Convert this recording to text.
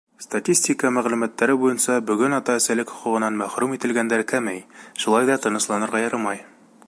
Статистика мәғлүмәттәре буйынса, бөгөн ата-әсәлек хоҡуғынан мәхрүм ителгәндәр кәмей, шулай ҙа тынысланырға ярамай.